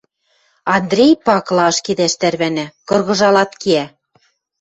Андрей пакыла ашкедӓш тӓрвӓнӓ, кыргыжалат кеӓ.